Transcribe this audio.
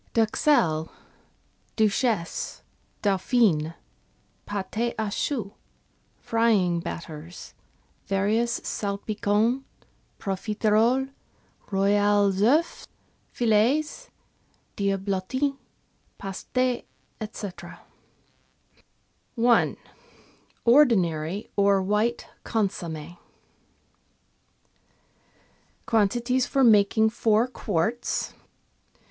("Duxelle," " Duchesse," " Dauphine," Pate a choux, frying batters, various Salpicons, Profiteroles, Royales CEufs fil6s, Diablotins, Pastes, &c.). I— ORDINARY OR WHITE CONSOMME Quantities for making Four Quarts.